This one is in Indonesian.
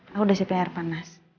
aku udah sipi air panas